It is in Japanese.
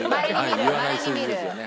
言わない数字ですよね。